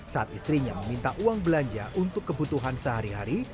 saat istrinya meminta uang belanja untuk kebutuhan sehari hari